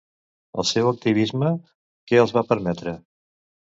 El seu activisme, què els va permetre?